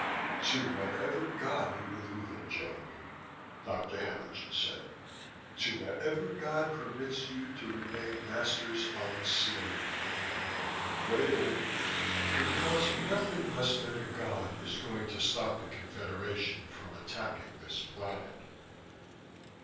"To whatever God you believe in, gentlemen," Dr. Haenlingen said. "To whatever God permits you to remain masters on a slave world. Pray to him because nothing less than a God is going to stop the Confederation from attacking this planet."